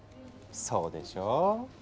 そうでしょう！